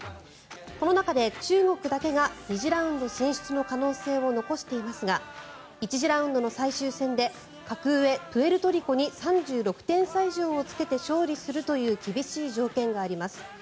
この中で中国だけが２次ラウンド進出の可能性を残していますが１次ラウンドの最終戦で格上プエルトリコに３６点差以上をつけて勝利するという厳しい条件があります。